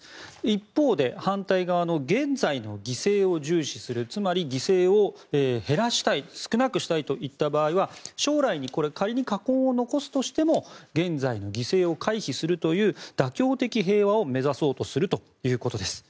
一方で反対側の現在の犠牲を重視するつまり、犠牲を減らしたい少なくしたいといった場合は将来に仮に禍根を残すとしても現在の犠牲を回避するという妥協的和平を目指そうとするということです。